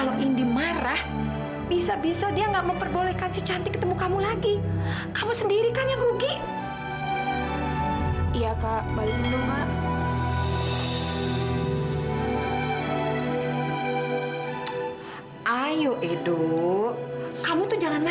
sampai jumpa di video selanjutnya